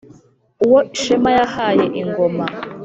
uwo shema yahaye ingoma